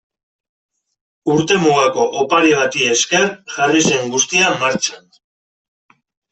Urtemugako opari bati esker jarri zen guztia martxan.